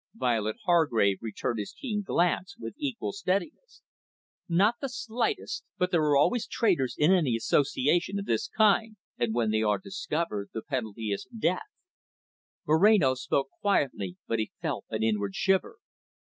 Violet Hargrave returned his keen glance with equal steadiness. "Not the slightest. But there are always traitors in any association of this kind." "And when they are discovered, the penalty is death." Moreno spoke quietly, but he felt an inward shiver.